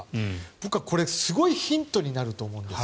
僕はすごいヒントになると思うんです。